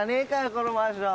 このマンション。